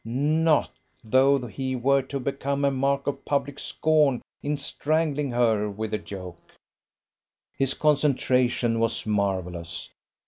Not though he were to become a mark of public scorn in strangling her with the yoke! His concentration was marvellous.